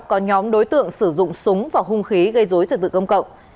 có nhóm đối tượng sử dụng súng và hung khí gây dối trật tự công cộng